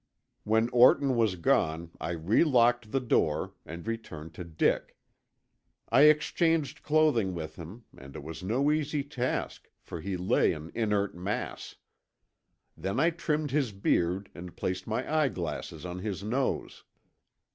When Orton was gone I relocked the door, and returned to Dick. I exchanged clothing with him, and it was no easy task, for he lay an inert mass. Then I trimmed his beard and placed my eyeglasses on his nose.